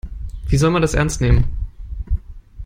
Wie soll man das ernst nehmen?